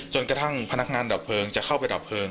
จนกระทั่งพนักงานดับเพลิงจะเข้าไปดับเพลิง